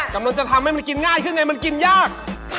กำลังจะทำให้มันกินง่ายขึ้นไงมันกินยาก